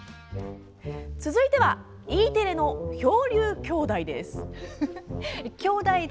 続いてはＥテレの「漂流兄妹」です。